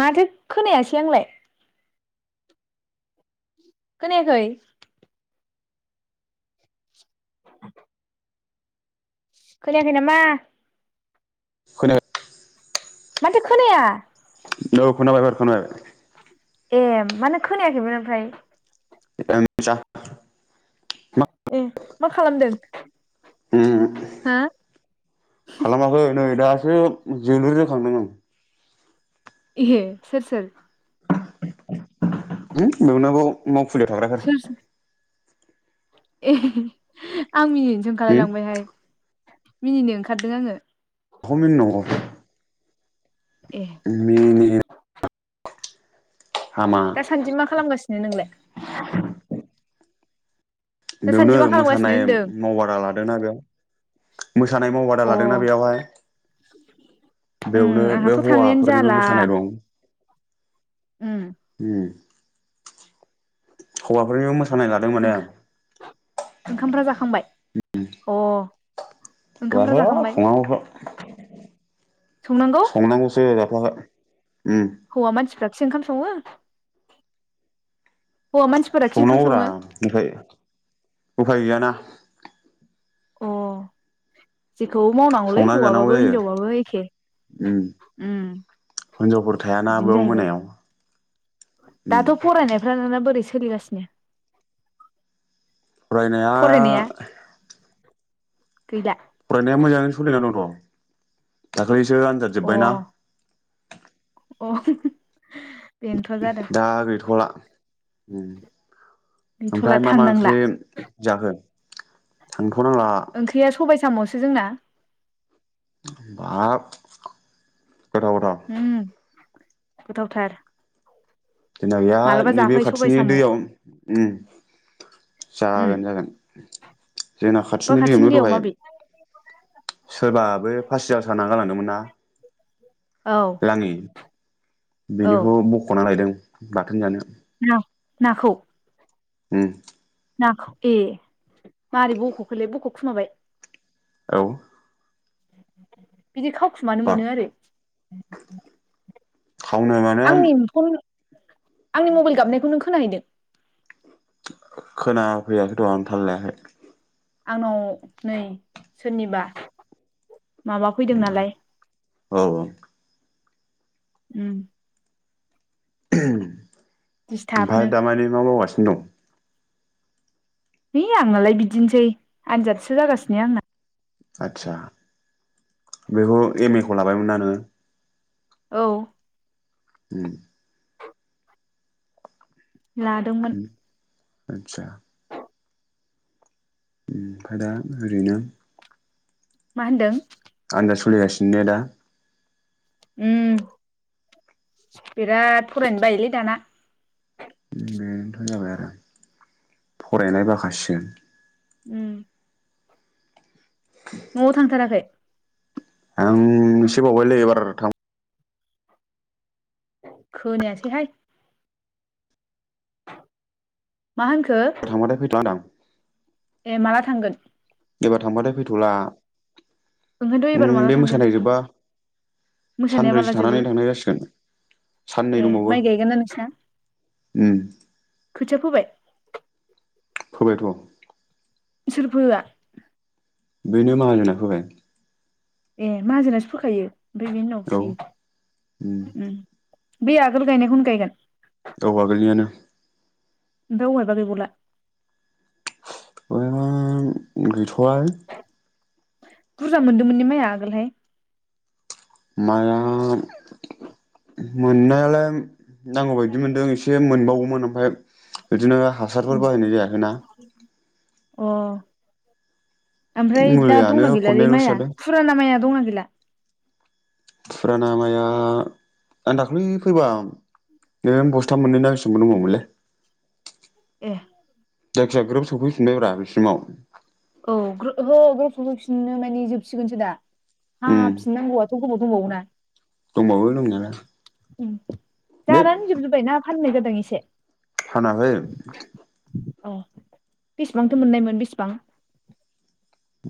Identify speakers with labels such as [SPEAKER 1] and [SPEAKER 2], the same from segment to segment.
[SPEAKER 1] माथो खोनायासै आंलाय? खोनायाखै? [inaudible] खोनायाखै नामा?
[SPEAKER 2] [unintelligible]
[SPEAKER 1] मानोथो खोनाया?
[SPEAKER 2] औ खोनाबाय एबार खोनाबाय।
[SPEAKER 1] ए मानो खोनायाखैमोन ओमफाय?
[SPEAKER 2] [inaudible]
[SPEAKER 1] ए मा खालामदों हा?
[SPEAKER 2] खालामाखै नै दासो जोलुर जोखांदों आं
[SPEAKER 1] इए सोर सोर?
[SPEAKER 2] [inaudible] मावखुलियाव थाग्राफोर
[SPEAKER 1] सोर सोर ए आं मिनिनोसो ओंखारलाय
[SPEAKER 2] बेखौ
[SPEAKER 1] लांबायहाय। मिनिनो ओंखारदों आङो।
[SPEAKER 2] माखौ मिनि नांगौ?
[SPEAKER 1] ए
[SPEAKER 2] मिनिया
[SPEAKER 1] दासान्दि मा खालामगासिनो नोंलाय?
[SPEAKER 2] बेयावनो
[SPEAKER 1] दासान्दि मा खालामगासिनो
[SPEAKER 2] मोसानाय
[SPEAKER 1] होनदों
[SPEAKER 2] मावबादा लादोंना बेयाव मोसानाय मावबादा
[SPEAKER 1] अ
[SPEAKER 2] लादोंना बेयावहाय
[SPEAKER 1] उम
[SPEAKER 2] बेयावनो
[SPEAKER 1] आंहाथ'
[SPEAKER 2] बे
[SPEAKER 1] थांनायानो
[SPEAKER 2] हौवाफोरनिबो
[SPEAKER 1] जाला
[SPEAKER 2] मोसानाय दं।
[SPEAKER 1] उम
[SPEAKER 2] उम हौवाफोरनिबो मो
[SPEAKER 1] ओंखा ओंखामफ्रा जाखांबाय अ'। ओंखामफ्रा
[SPEAKER 2] जायाखै
[SPEAKER 1] जाखांबाय
[SPEAKER 2] संनांगौसो।
[SPEAKER 1] संनांगौ
[SPEAKER 2] संनांगौसो । बहाय
[SPEAKER 1] हौवा मानसिफ्राखि ओंखाम सङो? हौवा मानसिफोराखि ओंखाम
[SPEAKER 2] संनांगौरा
[SPEAKER 1] सङो
[SPEAKER 2] ओमफ्राय उफाय गैयाना।
[SPEAKER 1] अ' जि खौ मावनांगौलै
[SPEAKER 2] संनानै जानांगौ
[SPEAKER 1] हौवाबाबो
[SPEAKER 2] जायो
[SPEAKER 1] हिनजावबाबो एखे
[SPEAKER 2] उम
[SPEAKER 1] उम
[SPEAKER 2] हिनजावफोर थायाना
[SPEAKER 1] बिदिनो
[SPEAKER 2] बेयाव
[SPEAKER 1] जाहैबाय।
[SPEAKER 2] मोनायाव उम
[SPEAKER 1] दाथ' फरायनायफ्रा नोंना बोरैसो सोलिगासिनो
[SPEAKER 2] फरायनाया
[SPEAKER 1] गैला
[SPEAKER 2] फरायनाया मोजाङै सोलिनानै दं थ दा दाख्लैसो आनजाद
[SPEAKER 1] अ
[SPEAKER 2] जोब्बायना
[SPEAKER 1] अ बेनोथ' जादों
[SPEAKER 2] दा गैथ'ला
[SPEAKER 1] गैथ'ला
[SPEAKER 2] ओमफ्राय मा मा
[SPEAKER 1] थांनांला
[SPEAKER 2] ओंख्रि जाखो? थां-
[SPEAKER 1] ओंख्रिया सबायसो सामसो जोंना
[SPEAKER 2] बाब गोथाव गोथाव
[SPEAKER 1] हम गोथाव थार
[SPEAKER 2] जोंना गैया नैबे खाथिनि
[SPEAKER 1] साम'
[SPEAKER 2] दैयाव उम
[SPEAKER 1] उम
[SPEAKER 2] जागोन जागोन जोंना
[SPEAKER 1] बा
[SPEAKER 2] खाथिनि दैयावनो
[SPEAKER 1] दैयाव
[SPEAKER 2] दहाय
[SPEAKER 1] माबे
[SPEAKER 2] सोरबा बै फासि आं साना गालांदोंमोन ना
[SPEAKER 1] औ
[SPEAKER 2] लाङि
[SPEAKER 1] औ
[SPEAKER 2] बेनिखौ बख'ना लायदों बाथोन जानो
[SPEAKER 1] ना नाखौ
[SPEAKER 2] उम
[SPEAKER 1] नाखौ ए मोरै बख'खोलै बख' खुमाबाय?
[SPEAKER 2] औ
[SPEAKER 1] [inaudible] बिदि खावखुमानो
[SPEAKER 2] बा
[SPEAKER 1] मोनो आरो?
[SPEAKER 2] खावनो माने
[SPEAKER 1] आंनि [unintelligible] आंनि मबेल गाबनायखौ नों खोनाहैदों?
[SPEAKER 2] खोनाफैयाखैथ' आं थाल लायाखै
[SPEAKER 1] आंनाव नै सोरनिबा माबा फैदों नालाय
[SPEAKER 2] औ औ
[SPEAKER 1] ओम
[SPEAKER 2] [inaudible]
[SPEAKER 1] दिसथाबनो
[SPEAKER 2] ओमफाय दामानि मा मावगास दं
[SPEAKER 1] है आंनालाय बिदिनोसै आनजादसो जागासिनो आंना
[SPEAKER 2] आतसा बेखौ एम ए खौ लाबायमोनना नोङो?
[SPEAKER 1] औ
[SPEAKER 2] ओम
[SPEAKER 1] लादोंमोन
[SPEAKER 2] आतसा ओमफाय दा ओरैनो
[SPEAKER 1] मा होनदों?
[SPEAKER 2] आनजाद सलि गासिनो ने दा?
[SPEAKER 1] ओम बिराद फरायनो बायोलै दाना
[SPEAKER 2] बेनोनथ' जाबाय आरो फरायनाय बाखासिगोन
[SPEAKER 1] ओम न'आव थांथाराखै?
[SPEAKER 2] आं एसे बावबायलै एबार थां
[SPEAKER 1] खोनायासैहाय मा होनखो?
[SPEAKER 2] थांबाथाय फैथ'आ होनदां
[SPEAKER 1] ए माला थांगोन?
[SPEAKER 2] एबार थांबाथाय फैथ'ला
[SPEAKER 1] ओंखायनोथ' एबार
[SPEAKER 2] उम
[SPEAKER 1] माला
[SPEAKER 2] बे
[SPEAKER 1] थांगोन
[SPEAKER 2] मोसानाय जोब्बा
[SPEAKER 1] मोसानाया माला
[SPEAKER 2] सानब्रैसो
[SPEAKER 1] जोबो
[SPEAKER 2] थानानै थांनाय जासिगोन साननै
[SPEAKER 1] ए
[SPEAKER 2] दंबावो
[SPEAKER 1] माइ गायगोन ना नोंसिना
[SPEAKER 2] ओम
[SPEAKER 1] खोथिया फोबाय
[SPEAKER 2] फोबायथ'
[SPEAKER 1] सोर फोआ?
[SPEAKER 2] बेनो माहाजोना फोबाय
[SPEAKER 1] ए माहाजोनासो फोखायो? बेनि उनाव
[SPEAKER 2] औ
[SPEAKER 1] फुयो
[SPEAKER 2] उम
[SPEAKER 1] ओम बे आगोल गायनायखौनो गायगोन?
[SPEAKER 2] औ आगोलनियानो
[SPEAKER 1] दा औहायबा गैबावला
[SPEAKER 2] [unintelligible] गैथ'वा
[SPEAKER 1] बुरजा मोनदोंमोनने माइया आगोलहाय?
[SPEAKER 2] माया मोननायालाय नांगौ बायदि मोनदों एसे मोनबावोममोन ओमफाय इदिनो हासारफोर
[SPEAKER 1] उम
[SPEAKER 2] बाहायनाय जायाखै ना
[SPEAKER 1] अ ओमफ्राय दा दंना
[SPEAKER 2] मुलियानो
[SPEAKER 1] गैलालै
[SPEAKER 2] खननैल'सो
[SPEAKER 1] माइआ
[SPEAKER 2] जादों
[SPEAKER 1] फुराना माइआ दंना गैला?
[SPEAKER 2] फुराना माया आं दाख्लै फैबा [unintelligible] बस्था मोननैना बेसांबा दंबावमोनलै
[SPEAKER 1] ए
[SPEAKER 2] जायखिजया ग्रोब सौफैफिनबायब्रा बिसिमाव
[SPEAKER 1] सफैफिननो माने जोबसिगोनसो दा? हा
[SPEAKER 2] उम
[SPEAKER 1] फिननांगौ थ गोबाव दंबावोना
[SPEAKER 2] दंबावो दंनायालाय बे
[SPEAKER 1] जानानै जोबजोबबाना फाननाय जा [unintelligible]
[SPEAKER 2] फानाखै
[SPEAKER 1] अ बेसेबांथो मोननायमोन बेसेबां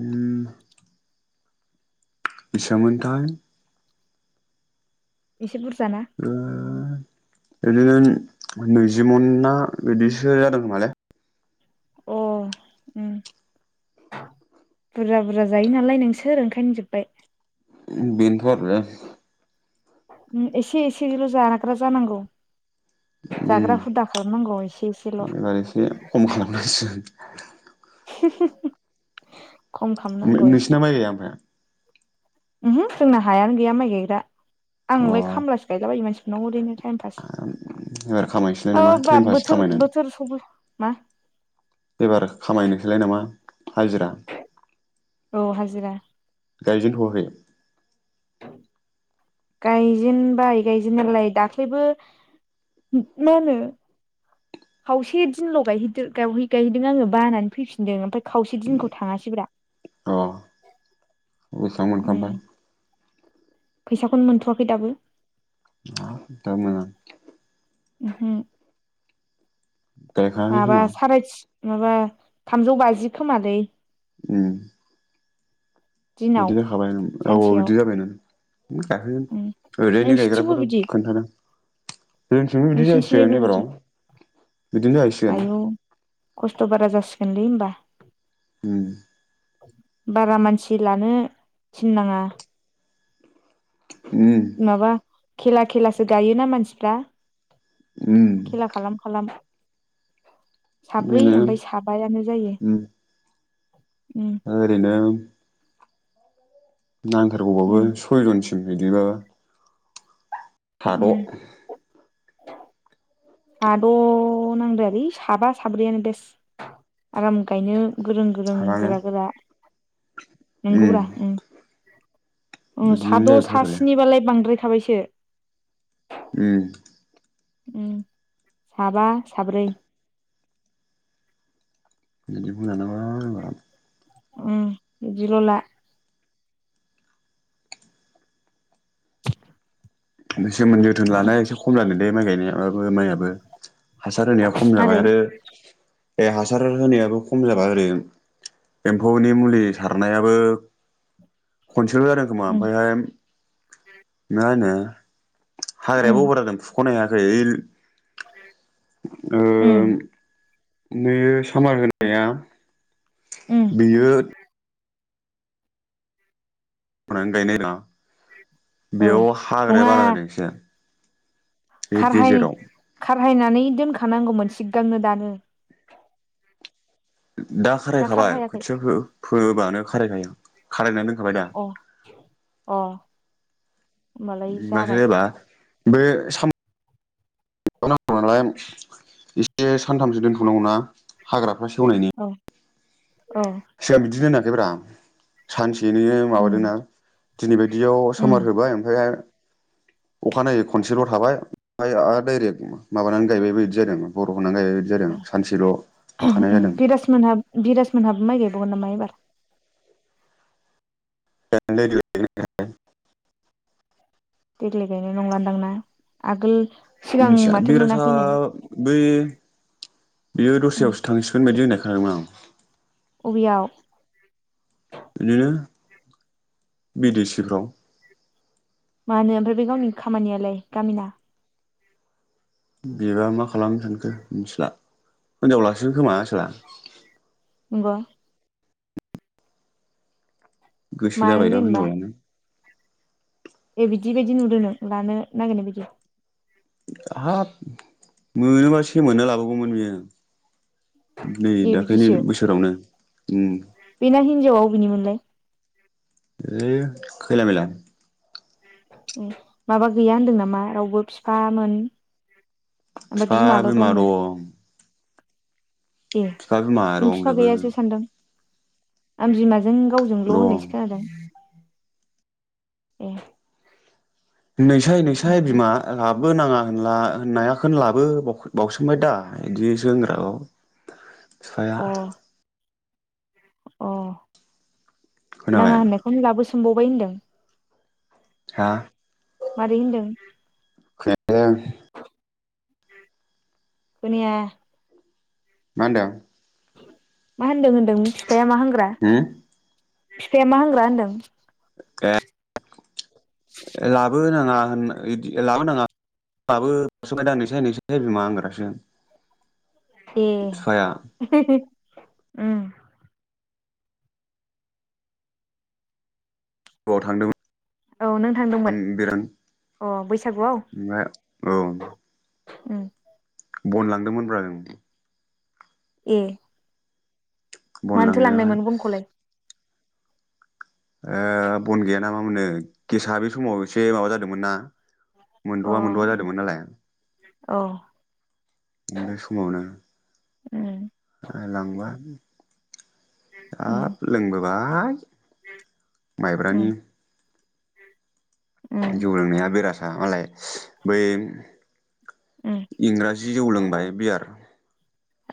[SPEAKER 2] ओम बेसांमोनथाय
[SPEAKER 1] इसे बुरजा
[SPEAKER 2] ओ इदिनो नैजि मन ना इदिसो जादों खोमालै
[SPEAKER 1] अ ओम बुरजा बुरजा जायो नालाय नोंसोर ओंखायनो जोबबाय
[SPEAKER 2] बिनोथ आरो [unintelligible]
[SPEAKER 1] ओम एसे एसेल जाग्रा जानांगौ
[SPEAKER 2] ओम
[SPEAKER 1] जाग्रा हुदा खालामनांगौ एसे एसेल'
[SPEAKER 2] एबार एसे खम खालामनांसिगोन [inaudible]
[SPEAKER 1] [unintelligible] खालामनांगौ
[SPEAKER 2] ओमफायनोंसिना माइ गाया ओमफाय
[SPEAKER 1] ओहो जोंना हायानो गैया माइ गायग्रा आंलाय
[SPEAKER 2] अ
[SPEAKER 1] खामलासो गायला बायो मानसि [unintelligible] टाइम पास
[SPEAKER 2] एबार खामायनोसैलाय नामा टाइम
[SPEAKER 1] [unintelligible]
[SPEAKER 2] पास
[SPEAKER 1] बोथोर
[SPEAKER 2] खामायनानै
[SPEAKER 1] बोथोर सफै मा
[SPEAKER 2] एबार खामायनोसैलाय नामा हाजिरा
[SPEAKER 1] अ हाजिरा
[SPEAKER 2] गाइजेन थआखै
[SPEAKER 1] गायजेेनबाय गायजेननायालाय दाख्लैबो मा होनो खावसे दिनल गायहैदो गावहै गायहैदों आङो बानानै फैफिनदों ओमफाय खावसे दिनखौ थाङासैब्रा
[SPEAKER 2] अ बेसेबां मोनखो
[SPEAKER 1] ओम
[SPEAKER 2] ओमफ्राय
[SPEAKER 1] फैसाखौनो मोनथवाखै दाबो
[SPEAKER 2] आ दाबो मोना
[SPEAKER 1] ओहो
[SPEAKER 2] गायखाङाखै
[SPEAKER 1] माबा
[SPEAKER 2] खोमा
[SPEAKER 1] सारायथि [inaudible] माबा थामजौ बाजि खोमालै ।
[SPEAKER 2] उम
[SPEAKER 1] दिनाव
[SPEAKER 2] बिदि जाखाबाय न औ औ
[SPEAKER 1] सानसेयाव
[SPEAKER 2] बिदि जाबाय नों गायफैोन
[SPEAKER 1] उम
[SPEAKER 2] ओरैनो
[SPEAKER 1] नोंसिनिथिंबो
[SPEAKER 2] गायग्राफोरं
[SPEAKER 1] बिदि
[SPEAKER 2] खोन्थादों [inaudible] जोंथिंबो बिदि जाहैसिगोन
[SPEAKER 1] नोंसिनिथिंजायबो बिदि
[SPEAKER 2] एबाराव बिदिनो जाहैसिगोन ।
[SPEAKER 1] आयौ खस्थ' बारा जासिगोनलै होमबा ।
[SPEAKER 2] होम ।
[SPEAKER 1] बारा मानसि लानो थिननाङा ।
[SPEAKER 2] उम
[SPEAKER 1] माबा खेला खेलासो गायोना मानसिफ्रा
[SPEAKER 2] उम
[SPEAKER 1] । खेला खालाम खालाम साब्रै
[SPEAKER 2] बिदिनो
[SPEAKER 1] ओमफाय साबायानो जायो।
[SPEAKER 2] उम
[SPEAKER 1] उम
[SPEAKER 2] ओरैनो नांथारगौबाबो
[SPEAKER 1] उम
[SPEAKER 2] सयजनस बेबायदि बाबा
[SPEAKER 1] उम
[SPEAKER 2] थाद'
[SPEAKER 1] साद' नांद्रायालै साबा साब्रैयानो बेस आराम गायनो। गोरों गोरों
[SPEAKER 2] साबानो
[SPEAKER 1] गोरा गोरा नंगौब्रा उम उम
[SPEAKER 2] बिदिनो
[SPEAKER 1] साद'
[SPEAKER 2] जायोथ' आरोलै
[SPEAKER 1] सास्निबालाय बांद्रायख थाबायसो
[SPEAKER 2] उम
[SPEAKER 1] उम साबा साब्रै ।
[SPEAKER 2] बिदिखौ लानांगो आंहा
[SPEAKER 1] उम बिदिल'ला ।
[SPEAKER 2] बेसोमोन जोथोन लानाया एसे खम जादों दे माइ गायनाया । ओयाबो माइआबो हासार होनाया खम जाबाय
[SPEAKER 1] मारै
[SPEAKER 2] आरो बे हासार होनानैयाबो खम जाबाय ओरैम एम्फौनि मुलि सारनायाबो खनसेल' जादों खोमा
[SPEAKER 1] उम
[SPEAKER 2] ओमफायहाय मा होनो
[SPEAKER 1] उम
[SPEAKER 2] हाग्रायाबो [unintelligible] जादों फुख'नो हाया । जा इल
[SPEAKER 1] उम
[SPEAKER 2] ओं नै सामार होनाया
[SPEAKER 1] उम
[SPEAKER 2] बेयोद मानो गायनाय रा
[SPEAKER 1] औ
[SPEAKER 2] बेयाव हाग्राया
[SPEAKER 1] नङा
[SPEAKER 2] बारा जादों एसे बे
[SPEAKER 1] खारहाय
[SPEAKER 2] गेजेराव
[SPEAKER 1] खार हायनानै दोनखानांगौमोन सिगांनो दानो
[SPEAKER 2] ओ दा खारायखाबाय खोथिया फो-फोबानो खारायखायो खारायना दोनखाबाय दा
[SPEAKER 1] अ अ होमबालाय
[SPEAKER 2] मानो
[SPEAKER 1] जाबाय
[SPEAKER 2] होबा बे साम [unintelligible] नालाय एसे सानथामसो दोनथ'नांगौ ना हाग्रा हा सेवनायनि
[SPEAKER 1] औ औ
[SPEAKER 2] फिफाया बिदिनो नो [unintelligible] सानसे इदिनो
[SPEAKER 1] उम
[SPEAKER 2] माबादोंना दिनै बायदियाव सामार
[SPEAKER 1] उम
[SPEAKER 2] होबाय ओमफ्राय अखानायै खनसेल' थाबाय ओमफ्राय आरो दडाइरेक्ट माबानानै गायबायबो बिदि जादों हर थानाय जादों
[SPEAKER 1] बिराज मोनहा बिराज मोनहाबो माइ गाय बावगोनना मा एबार
[SPEAKER 2] [unintelligible]
[SPEAKER 1] देग्लाय गायनाय नंलादां ना आगोल सिगां
[SPEAKER 2] मिथिया
[SPEAKER 1] माथो
[SPEAKER 2] बिराजआ
[SPEAKER 1] मोनाखैनो
[SPEAKER 2] बै बेयो
[SPEAKER 1] उम
[SPEAKER 2] दस्रायावसो थांसिगोन बायदि होननाय खो [unintelligible]
[SPEAKER 1] अबेयाव?
[SPEAKER 2] इदिनो बिदिसिफ्राव
[SPEAKER 1] मानो ओमफ्राय बे गावनि खामानियालाय गामिना
[SPEAKER 2] बिबा मा खालामनो सानखो मिथिला हिनजावलासिगोन खोमा आसोला
[SPEAKER 1] नंग'
[SPEAKER 2] गोसो
[SPEAKER 1] मानो
[SPEAKER 2] जाबायदां
[SPEAKER 1] जेनेबा
[SPEAKER 2] हिनजाव लानो।
[SPEAKER 1] ए बिदि बायदि नुदो नों लानो नागिरनाय बायदि
[SPEAKER 2] हाब मोनोबा सेमोननो लाबोवगौमोन बियो। नै दाख्लैनि बोसोरावनो उम
[SPEAKER 1] बिना हिजावाव बबेनिमोनलाय
[SPEAKER 2] ओ खैला मैला
[SPEAKER 1] ओम माबा गैया होनदों नामा रावबो फिफामोन
[SPEAKER 2] फिफा बिमा दं
[SPEAKER 1] ए
[SPEAKER 2] बिफा बिमा
[SPEAKER 1] आं फिफा
[SPEAKER 2] दंजोबो
[SPEAKER 1] गैया सो सान्दों। आं बिमा जों गावजोंल'
[SPEAKER 2] दं
[SPEAKER 1] होननायसो खोनादों। ए
[SPEAKER 2] नोंसाय नोंसाय
[SPEAKER 1] ओमफ्राय
[SPEAKER 2] बिमा गाब लाबोनाङा होनला होननायाखोनो लाबो बाव बावउसोमबाय दा इदिसो होनग्राबाव साया
[SPEAKER 1] अ अ
[SPEAKER 2] खोनाबाय
[SPEAKER 1] नाङा होननायखौनो लाबो सो सोंबावबाय होनदों
[SPEAKER 2] हा
[SPEAKER 1] मारै होनदों
[SPEAKER 2] [unintelligible]
[SPEAKER 1] खोनाया
[SPEAKER 2] मा होनदों?
[SPEAKER 1] मा होनदों होनदों बे मा होनग्रा
[SPEAKER 2] होम
[SPEAKER 1] फिफाया मा होग्रा होनदों?
[SPEAKER 2] गा लाबो ना [unintelligible] लाबोनाङा लाबो [unintelligible]
[SPEAKER 1] ए
[SPEAKER 2] बिफाया
[SPEAKER 1] [unintelligible] ओम
[SPEAKER 2] गवा थांदोंमोन
[SPEAKER 1] औ नों थांदोंमोन? अ बैसागुआव?
[SPEAKER 2] ओमफ्राय औ
[SPEAKER 1] उम
[SPEAKER 2] बन लांदोंमोन ब्रा जों
[SPEAKER 1] ए
[SPEAKER 2] बन
[SPEAKER 1] मानोथो
[SPEAKER 2] लांनायावहाय
[SPEAKER 1] लांनायमोन बनखौलाय?
[SPEAKER 2] ओ बन गैयाना मा मोननो गेसआ बे समाव एसे माबा जादोंमोन ना
[SPEAKER 1] अ
[SPEAKER 2] मोनद'आ मोनद'आ जादोंमोन नालाय।
[SPEAKER 1] औ
[SPEAKER 2] बे समावनो
[SPEAKER 1] उम
[SPEAKER 2] ओ लांबा
[SPEAKER 1] उम
[SPEAKER 2] हाब लोंबोबा [unintelligible]
[SPEAKER 1] उम
[SPEAKER 2] माइब्रानि
[SPEAKER 1] उम
[SPEAKER 2] जौ लोंनाया बिरासा मालाय बै
[SPEAKER 1] उम
[SPEAKER 2] इंराजि जौ लोंबाय बियार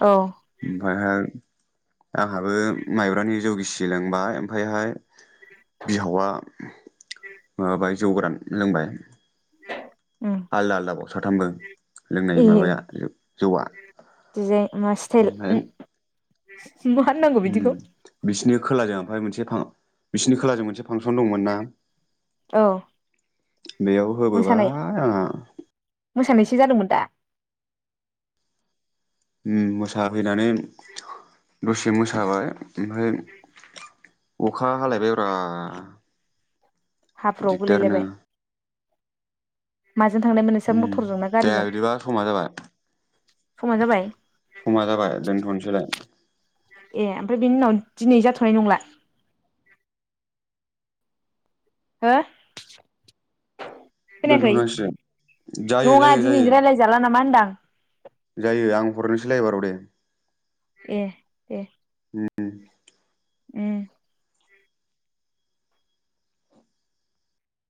[SPEAKER 1] औ
[SPEAKER 2] ओमफायहाय आंहाबो माइब्रानि जौ गिसि लोंबाय ओमफायहाय बिहावा माबाय जौ गोरान लोंबाय।
[SPEAKER 1] [inaudible]
[SPEAKER 2] आलदा आलदा बाव साथामबो लोंनाय
[SPEAKER 1] ए
[SPEAKER 2] माबाया जौआ।
[SPEAKER 1] डिजाइन मा स्टाइल
[SPEAKER 2] ओमफ्राय
[SPEAKER 1] [inaudible] मा खामनांगौ
[SPEAKER 2] उम
[SPEAKER 1] बिदिखौ
[SPEAKER 2] बिसिनि खोलाजों ओमफाय मोनसे फा बिसिनि खोलाजों मोनसे फांसन दंमोन ना
[SPEAKER 1] औ
[SPEAKER 2] बेयाव
[SPEAKER 1] मोसानाय
[SPEAKER 2] होबोबाय आंहा
[SPEAKER 1] मोसानायसो जादोंमोन दा
[SPEAKER 2] उम मोसाहैनानै दसे मोसाबाय ओमफ्राय अखा हालायबाय ब्रा
[SPEAKER 1] हाफ्राव गुलायलायबाय माजों थांनायमोन नोंसा
[SPEAKER 2] उम
[SPEAKER 1] टरजों ना
[SPEAKER 2] दे
[SPEAKER 1] गारिजों?
[SPEAKER 2] बिदिबा समा जाबाय
[SPEAKER 1] समा जाबाय
[SPEAKER 2] समा जाबाय दोनथ'नसैलाय
[SPEAKER 1] ए ओमफ्राय बेनि उनाव दिनै जाथ'नाय नंला? हो खोनायाखै
[SPEAKER 2] दोनथ'नांसिगोन जायो
[SPEAKER 1] नङा
[SPEAKER 2] जायो
[SPEAKER 1] दिनै
[SPEAKER 2] जायो
[SPEAKER 1] रायलायजाला ना मा होन्दां?
[SPEAKER 2] जायो आं हरनोसैलाय एबाराव दे
[SPEAKER 1] ए दे
[SPEAKER 2] उम उ
[SPEAKER 1] उम